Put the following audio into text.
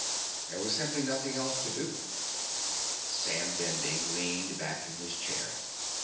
There was simply nothing else to do." Sam Bending leaned back in his chair.